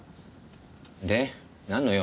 でなんの用？